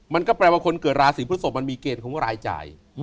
มันก็แปลว่าคนเกิดราศีพฤศพมันมีเกณฑ์ของรายจ่าย